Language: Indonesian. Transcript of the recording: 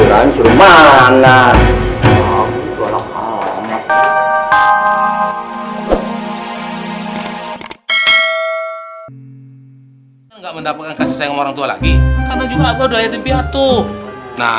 ramadi yang atau diri bade